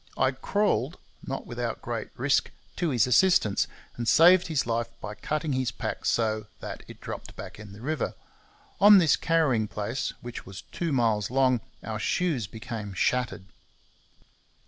I crawled, not without great risk, to his assistance, and saved his life by cutting his pack so [that] it dropped back in the river. On this carrying place, which was two miles long, our shoes became shattered.